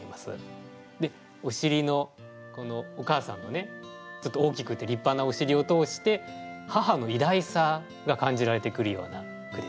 でおしりのこのお母さんのねちょっと大きくて立派なおしりを通して母の偉大さが感じられてくるような句ですね。